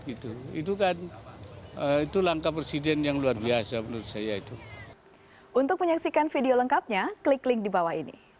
itu kan langkah presiden yang luar biasa menurut saya